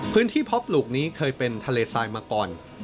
พื้นที่พบปลูกนี้เคยเป็นทะเลทรายมาก่อน